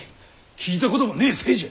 聞いたこともねえ姓じゃ。